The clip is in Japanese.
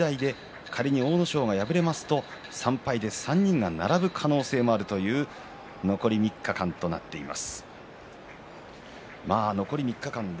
琴勝峰が勝てば１０勝３敗となって仮に阿武咲が敗れますと３敗で３人が並ぶ可能性もあるという残り３日間となっています。